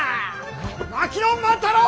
槙野万太郎！